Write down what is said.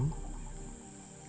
sebenarnya kita di gua karim